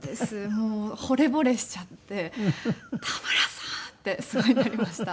もうほれぼれしちゃって田村さん！ってすごいなりました。